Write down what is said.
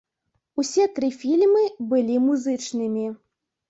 Усе тры фільмы былі музычнымі.